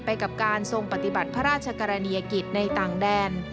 กับการทรงปฏิบัติพระราชกรณียกิจในต่างแดน